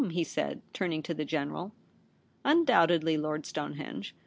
he said, turning to the General. * Undoubtedly, Lord Stonehenge.